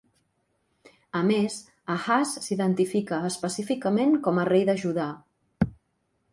A més, Ahaz s'identifica específicament com a rei de Judà.